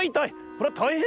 こりゃたいへんだ。